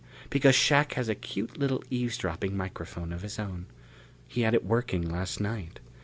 Because Shac has a cute little eavesdropping microphone of his own. He had it working last night.